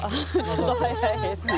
ちょっと早いですね。